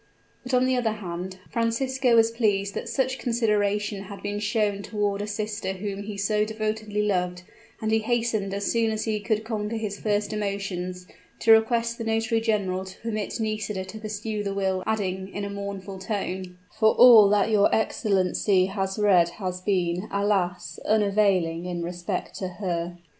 But, on the other hand, Francisco was pleased that such consideration had been shown toward a sister whom he so devotedly loved; and he hastened, as soon as he could conquer his first emotions, to request the notary general to permit Nisida to peruse the will, adding, in a mournful tone, "For all that your excellency has read has been, alas! unavailing in respect to her."